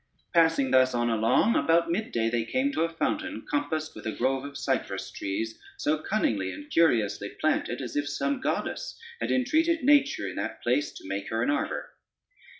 Passing thus on along, about midday they came to a fountain, compassed with a grove of cypress trees, so cunningly and curiously planted, as if some goddess had entreated nature in that place to make her an arbor.